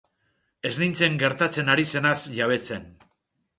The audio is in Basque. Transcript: Ez nintzen gertatzen ari zenaz jabetzen.